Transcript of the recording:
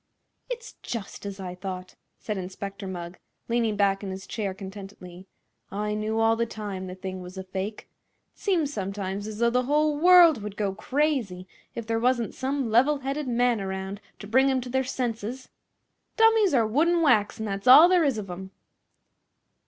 "It's just as I thought," said Inspector Mugg, leaning back in his chair contentedly. "I knew all the time the thing was a fake. It seems sometimes as though the whole world would go crazy if there wasn't some level headed man around to bring 'em to their senses. Dummies are wood an' wax, an' that's all there is of 'em."